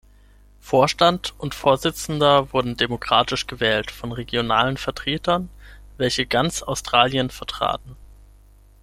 Vorstand und Vorsitzender wurden demokratisch gewählt von regionalen Vertretern, welche ganz Australien vertraten.